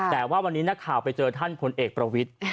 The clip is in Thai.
แต่ว่าวันนี้นักข่าวไปเจอท่านพลเอกประวิทธิ์